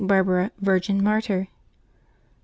BARBARA, Virgin, Martyr. [t.